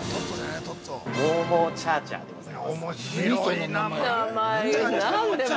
◆モーモーチャーチャーでございます。